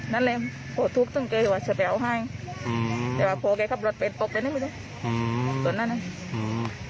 นั่นเลยพอถูกต้องเก็บว่าจะเปรียวให้แต่ว่าโภวแกเขาปรดเป็นปกก็ไม่ได้